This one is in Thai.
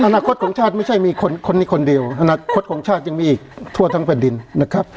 อนาคตของชาติไม่ใช่มีคนนี้คนเดียวอนาคตของชาติยังมีอีกทั่วทั้งแผ่นดินนะครับ